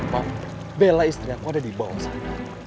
pak bella istri aku ada di bawah sana